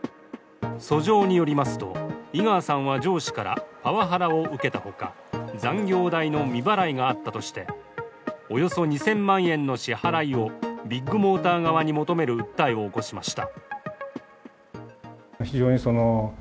訴状によりますと、井川さんは上司からパワハラを受けたほか残業代の未払いがあったとしておよそ２０００万円の支払いをビッグモーター側に求める訴えを起こしました。